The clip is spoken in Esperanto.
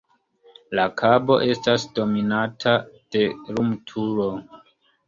La kabo estas dominata de lumturo.